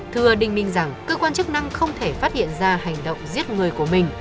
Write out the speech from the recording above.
thưa đinh minh rằng cơ quan chức năng không thể phát hiện ra hành động giết người của mình